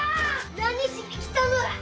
何しに来たのだ！